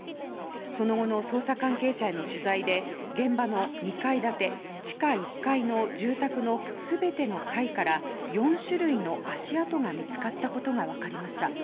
その後の捜査関係者への取材で現場の２階建て、地下１階の住宅の全ての階から４種類の足跡が見つかったことが分かりました。